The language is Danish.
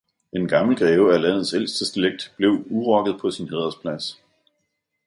En gammel greve af landets ældste slægt blev urokket på sin hædersplads.